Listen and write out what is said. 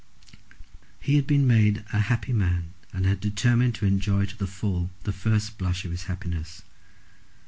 He had been made a happy man, and had determined to enjoy to the full the first blush of his happiness.